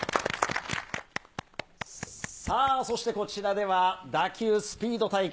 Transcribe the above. さあ、そしてこちらでは、打球スピード対決。